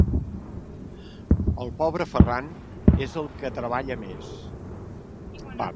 El pobre Ferran és el que treballa més.